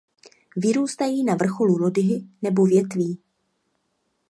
Vyrůstají na vrcholu lodyhy nebo větví.